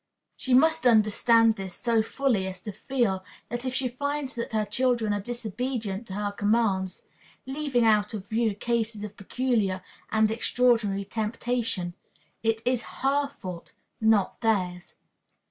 She must understand this so fully as to feel that if she finds that her children are disobedient to her commands leaving out of view cases of peculiar and extraordinary temptation it is her fault, not theirs.